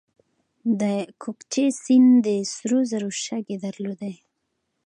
د کوکچې سیند د سرو زرو شګې درلودې